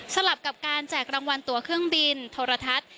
ลับกับการแจกรางวัลตัวเครื่องบินโทรทัศน์